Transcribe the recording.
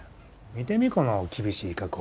見てみこの厳しい加工。